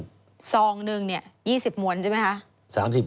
ซองหนึ่ง๒๐มวลใช่ไหมคะ